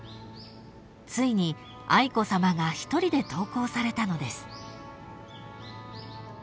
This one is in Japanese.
［ついに愛子さまが一人で登校されたのです］